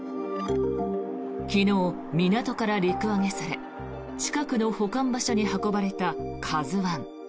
昨日、港から陸揚げされ近くの保管場所に運ばれた「ＫＡＺＵ１」。